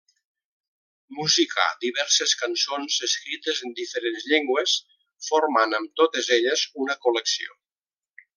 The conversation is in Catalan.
Musicà diverses cançons escrites en diferents llengües, formant amb totes elles una col·lecció.